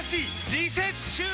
リセッシュー！